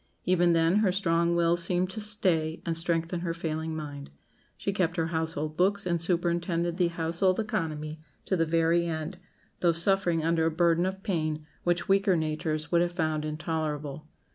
Even then her strong will seemed to stay and strengthen her failing mind. She kept her household books and superintended the household economy to the very end, though suffering under a burden of pain which weaker natures would have found intolerable.